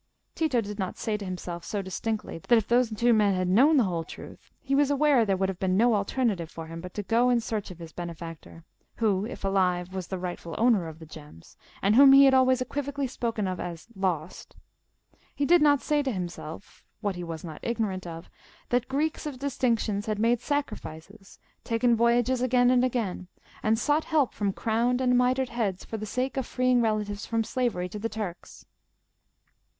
Tito did not say to himself so distinctly that if those two men had known the whole truth he was aware there would have been no alternative for him but to go in search of his benefactor, who, if alive, was the rightful owner of the gems, and whom he had always equivocally spoken of as "lost;" he did not say to himself—what he was not ignorant of—that Greeks of distinction had made sacrifices, taken voyages again and again, and sought help from crowned and mitred heads for the sake of freeing relatives from slavery to the Turks.